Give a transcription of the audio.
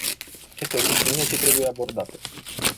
Este o chestiune ce trebuie abordată!